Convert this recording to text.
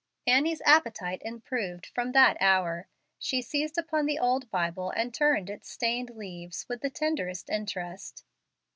Annie's appetite improved from that hour. She seized upon the old Bible and turned its stained leaves with the tenderest interest.